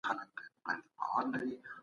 د هوا ککړتیا خطرناکه ده.